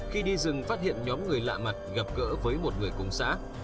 khi đi rừng phát hiện nhóm người lạ mặt gặp gỡ với một người cùng xã